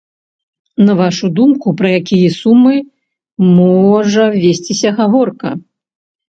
На вашу думку, пра якія сумы можа весціся гаворка?